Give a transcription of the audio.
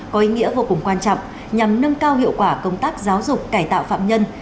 có ý nghĩa vô cùng quan trọng nhằm nâng cao hiệu quả công tác giáo dục cải tạo phạm nhân